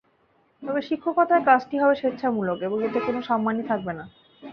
তবে শিক্ষকতার কাজটি হবে স্বেচ্ছামূলক এবং এতে কোনো সম্মানী থাকবে না।